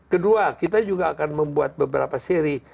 kedua kita juga akan membuat beberapa seri